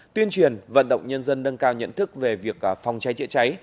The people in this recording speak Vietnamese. tuyên truyền vận động nhân dân nâng cao nhận thức về việc phòng cháy chữa cháy